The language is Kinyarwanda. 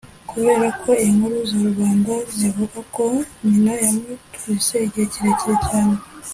kubera ko inkuru za rubanda zivuga ko nyina yamutwise igihe kirekire cyane